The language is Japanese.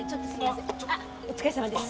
あっお疲れさまです。